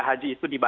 haji itu diberikan